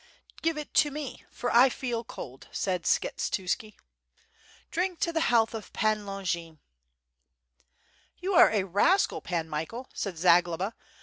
"Give it to me, for I feel cold," said Skshetuski. "Drink to the health of Pan Longin." "You are a rascal. Pan Michael," said Zagloba.